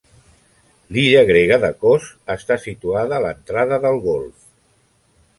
L'illa grega de Kos està situada a l'entrada del golf.